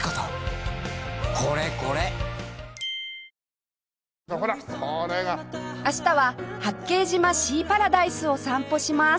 東京海上日動明日は八景島シーパラダイスを散歩します